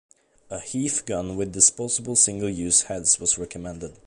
A Heaf gun with disposable single-use heads was recommended.